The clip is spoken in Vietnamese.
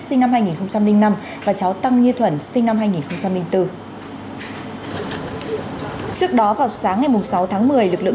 sinh năm hai nghìn năm và cháu tăng như thuẩn sinh năm hai nghìn bốn trước đó vào sáng ngày sáu tháng một mươi lực lượng